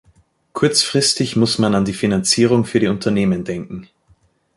Kurzfristig muss man an die Finanzierung für die Unternehmen denken.